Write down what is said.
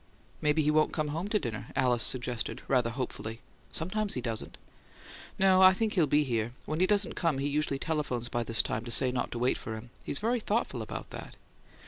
"Maybe he won't come home to dinner," Alice suggested, rather hopefully. "Sometimes he doesn't." "No; I think he'll be here. When he doesn't come he usually telephones by this time to say not to wait for him; he's very thoughtful about that.